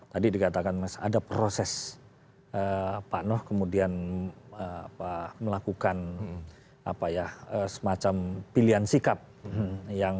tadi dikatakan masih ada proses pak noh kemudian apa melakukan apa ya semacam pilihan sikap yang